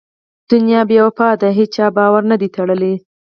دنیا بې وفا ده هېچا بار نه دی تړلی.